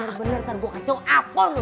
bener bener tar gue kasih lo akun lo